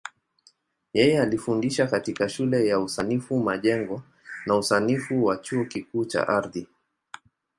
Yeye alifundisha katika Shule ya Usanifu Majengo na Usanifu wa Chuo Kikuu cha Ardhi.